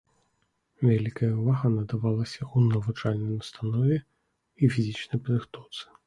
Вялікая ўвага надавалася ў навучальнай установе і фізічнай падрыхтоўцы.